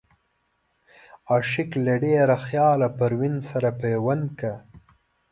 عاشق له ډېره خياله پروين سره پيوند کا